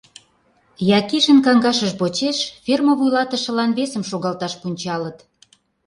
Якишын каҥашыж почеш ферма вуйлатышылан весым шогалташ пунчалыт.